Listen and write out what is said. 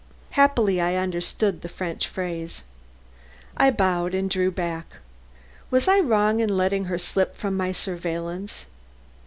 Happily I understood the French phrase. I bowed and drew back. Was I wrong in letting her slip from my surveillance?